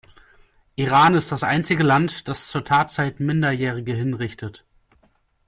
Iran ist das einzige Land, das zur Tatzeit Minderjährige hinrichtet.